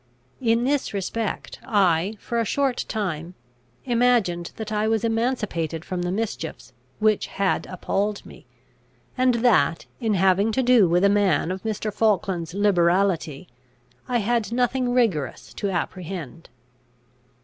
In this respect, I for a short time imagined that I was emancipated from the mischiefs which had appalled me; and that, in having to do with a man of Mr. Falkland's liberality, I had nothing rigorous to apprehend.